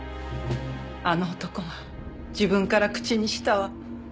あの男は自分から口にしたわ。